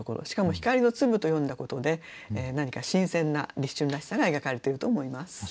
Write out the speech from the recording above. しかも「光の粒」と詠んだことで何か新鮮な立春らしさが描かれていると思います。